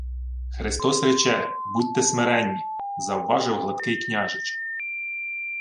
— Христос рече: будьте смиренні, — завважив гладкий княжич.